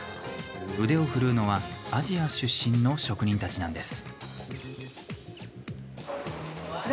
腕を振るうのはアジア出身の職人たちなんです。